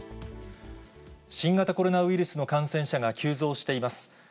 新型コロナウイルスの感染者が急増しています。